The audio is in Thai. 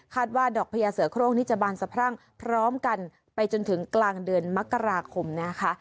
ว่าดอกพญาเสือโครงนี้จะบานสะพรั่งพร้อมกันไปจนถึงกลางเดือนมกราคมนะคะ